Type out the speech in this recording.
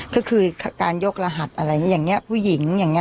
ก็คือการยกรหัสอะไรอย่างนี้ผู้หญิงอย่างนี้